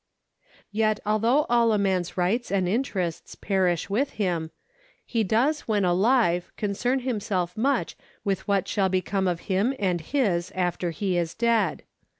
Yet although all a man's rights and interests perish with him, he does when alive concern himself much with that which shall become of him and his after he is dead.